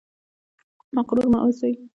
مغرور مه اوسئ